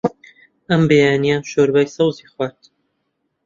ئەم بەیانییە شۆربای سەوزەی خوارد.